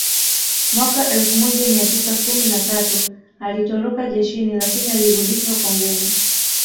Mwaka elfu moja mia tisa kumi na tatu alitoroka jeshini lakini alirudishwa kwa nguvu